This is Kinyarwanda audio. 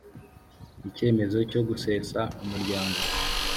icyemezo cyo gusesa umuryango